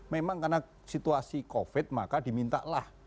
memang karena situasi covid maka dimintalah